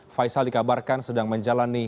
faisal dikabarkan sedang menjalani